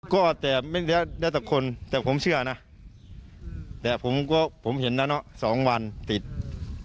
ก็แต่ไม่ได้แล้วแต่คนแต่ผมเชื่อนะแต่ผมก็ผมเห็นแล้วเนาะสองวันติด